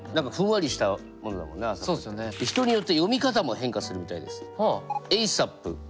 んそうね何か人によって読み方も変化するみたいです。